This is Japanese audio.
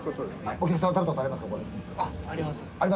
お客さんは食べたことありまあります。